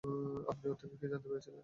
আপনি ওর থেকে কী জানতে পেরেছিলেন?